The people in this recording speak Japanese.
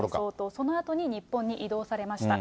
そのあとに日本に移動されました。